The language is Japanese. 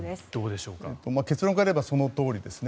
結論から言えばそのとおりですね。